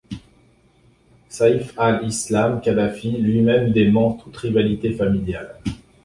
Saïf al-Islam Kadhafi lui-même dément toute rivalité familiale.